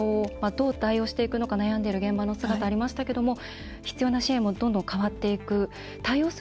どう対応していくか悩んでいく現場の姿がありましたけど必要な支援もどんどん変わっていく。